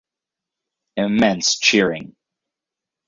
Immense cheering.